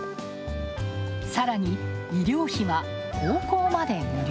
さらに、医療費が高校まで無料。